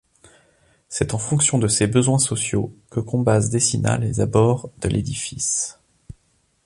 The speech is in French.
C’est en fonction de ces besoins sociaux que Combaz dessina les abords de l’édifice.